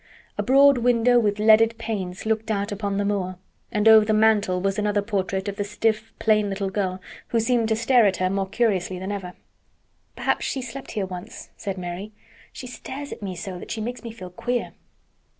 A broad window with leaded panes looked out upon the moor; and over the mantel was another portrait of the stiff, plain little girl who seemed to stare at her more curiously than ever. "Perhaps she slept here once," said Mary. "She stares at me so that she makes me feel queer."